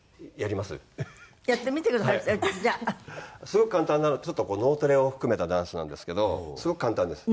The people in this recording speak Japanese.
すごく簡単なちょっとこう脳トレを含めたダンスなんですけどすごく簡単です。